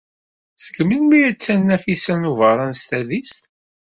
Seg melmi ay attan Nafisa n Ubeṛṛan s tadist?